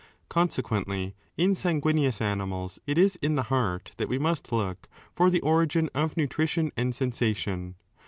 Consequently, in sanguineous animals it is 7 in the heart that we must look for the origin of nutrition and sensation.